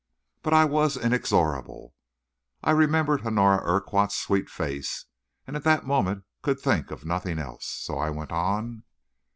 But I was inexorable. I remembered Honora Urquhart's sweet face, and at that moment could think of nothing else. So I went on.